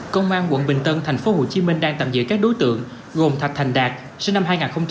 công an quận bình tân tp hcm đang tạm giữ các đối tượng gồm thạch thành đạt sinh năm hai nghìn